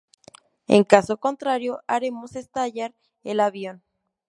En caso contrario, haremos estallar el avión.